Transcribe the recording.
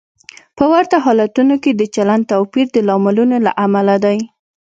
په ورته حالتونو کې د چلند توپیر د لاملونو له امله دی.